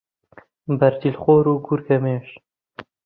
بەرتیل خۆر و گورگەمێش